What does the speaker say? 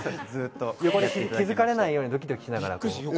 気づかれないようにドキドキしながら。